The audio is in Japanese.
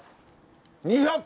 ２００個！